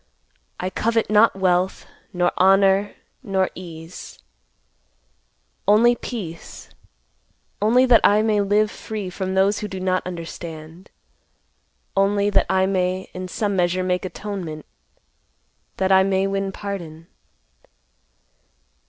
I covet not wealth, nor honor, nor ease; only peace; only that I may live free from those who do not understand; only that I may in some measure make atonement; that I may win pardon.